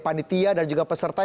panitia dan juga peserta